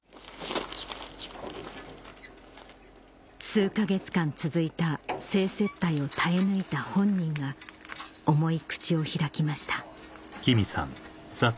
数か月間続いた性接待を耐え抜いた本人が重い口を開きました